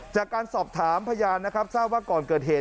จากการสอบถามพยานนะครับทราบว่าก่อนเกิดเหตุ